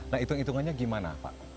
nah hitung hitungannya gimana pak